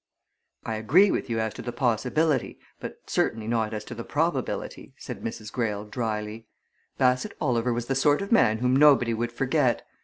"I agree with you as to the possibility, but certainly not as to the probability," said Mrs. Greyle, dryly. "Bassett Oliver was the sort of man whom nobody would forget.